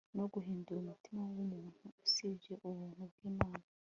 no guhindura umutima wumuntu usibye ubuntu bwImana